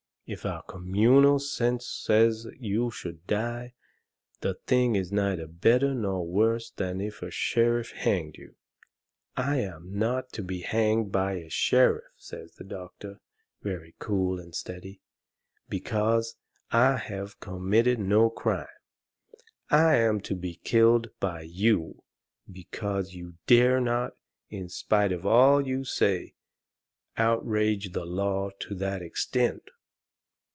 If our communal sense says you should die, the thing is neither better nor worse than if a sheriff hanged you." "I am not to be hanged by a sheriff," says the doctor, very cool and steady, "because I have committed no crime. I am not to be killed by you because you dare not, in spite of all you say, outrage the law to that extent."